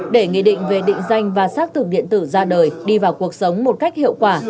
để nghị định về định danh và xác thực điện tử ra đời đi vào cuộc sống một cách hiệu quả